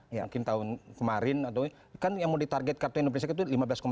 mungkin tahun kemarin kan yang mau ditarget kartu indonesia itu rp lima belas lima juta